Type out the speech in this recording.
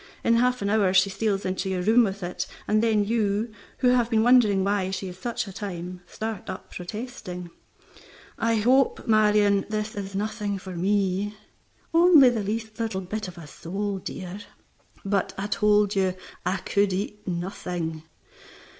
In half an hour she steals into your room with it, and then you (who have been wondering why she is such a time) start up protesting, "I hope, Marion, this is nothing for me." "Only the least little bit of a sole, dear." "But I told you I could eat nothing."